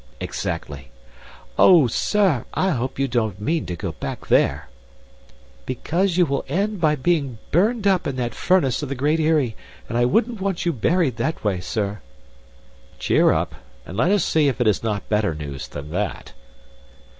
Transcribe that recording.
"Exactly." "Oh, sir! I hope you don't mean to go back there!" "Why not?" "Because you will end by being burned up in that furnace of the Great Eyrie. And I wouldn't want you buried that way, sir." "Cheer up, and let us see if it is not better news than that."